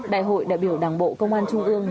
đại hội đại biểu đảng bộ công an trung ương